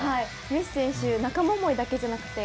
メッシ選手仲間思いだけじゃなくて